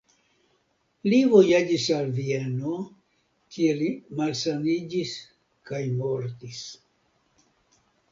Li vojaĝis al Vieno, kie li malsaniĝis kaj mortis.